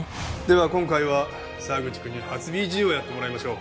では今回は沢口くんに初ＢＧをやってもらいましょう。